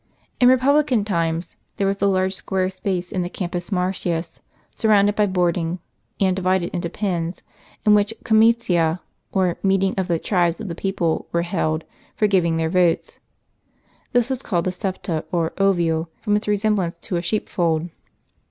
In republican times there was a large square space in the Campus Martius, sur rounded by boarding, and divided into pens, in which the Comi tia, or meetings of the tribes of the people, were held, for gi\ ing their votes. This was called the Septa, or Ovik, from its resem blance to a sheepfold.